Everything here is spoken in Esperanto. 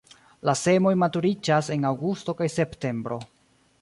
La semoj maturiĝas en aŭgusto kaj septembro.